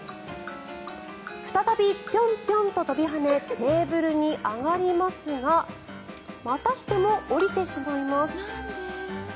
再びピョンピョンと跳びはねテーブルに上がりますがまたしても下りてしまいます。